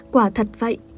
quả thật vậy